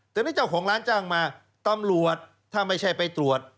แต่นี่เจ้าของร้านจ้างมาตำรวจถ้าไม่ใช่ไปตรวจ